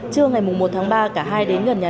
trưa ngày một tháng ba cả hai đến gần nhà nạn nhân